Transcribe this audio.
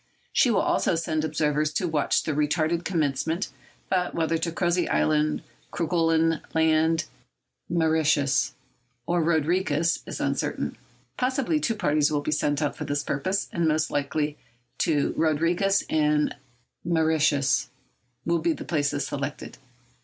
She will also send observers to watch the retarded commencement, but whether to Crozet Island, Kerguelen Land, Mauritius, or Rodriguez is uncertain. Possibly two parties will be sent out for this purpose, and most likely Rodriguez and Mauritius will be the places selected.